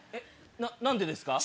何でですか？